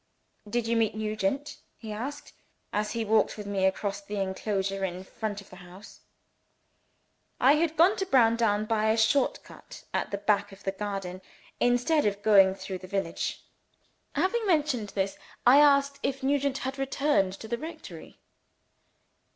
"Did you meet Nugent?" he asked, as he walked with me across the enclosure in front of the house. I had gone to Browndown by a short cut at the back of the garden, instead of going through the village. Having mentioned this, I asked if Nugent had returned to the rectory.